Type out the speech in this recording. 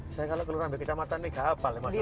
saya kalau kelurahan kecamatan ini gak hafal ya masuk mana